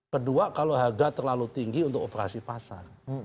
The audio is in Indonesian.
kedua kalau harga terlalu tinggi untuk operasi pasar